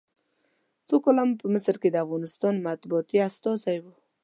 څو کاله په مصر کې د افغانستان مطبوعاتي استازی و.